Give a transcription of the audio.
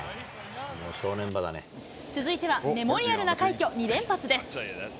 続いてはメモリアルな快挙２連発です。